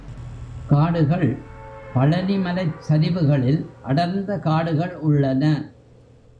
காடுகள் பழனிமலைச் சரிவுகளில் அடர்ந்த காடுகள் உள்ளன.